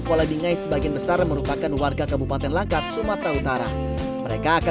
kuala bingai sebagian besar merupakan warga kabupaten langkat sumatera utara mereka akan